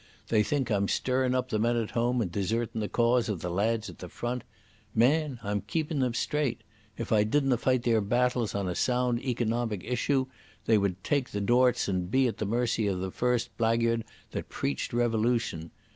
They think I'm stirrin' up the men at home and desertin' the cause o' the lads at the front. Man, I'm keepin' them straight. If I didna fight their battles on a sound economic isshue, they would take the dorts and be at the mercy of the first blagyird that preached revolution.